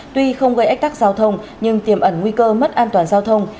tuy không gây ách tắc giao thông nhưng tiềm ẩn nguy cơ mất an toàn giao thông